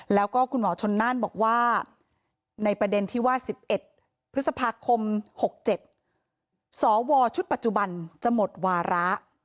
แล้วก็คุณหมอชนน่านบอกว่าในประเด็นที่ว่า๑๑พฤษภาคม๖๗สวชุดปัจจุบันจะหมดวาระ